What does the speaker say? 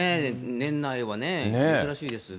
年内はね、珍しいです。